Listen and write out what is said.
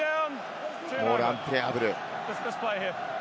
ボールアンプレアブル。